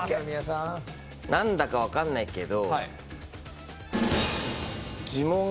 何だか分かんないけど。